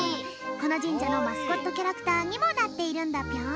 このじんじゃのマスコットキャラクターにもなっているんだぴょん。